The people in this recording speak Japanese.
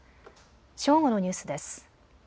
正午のニュースです。